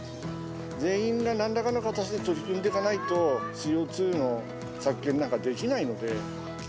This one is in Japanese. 全員がなんらかの形で取り組んでいかないと、ＣＯ２の削減なんか、できないので。